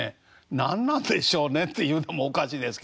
何なんでしょうねっていうのもおかしいですけど。